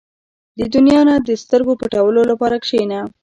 • د دنیا نه د سترګو پټولو لپاره کښېنه.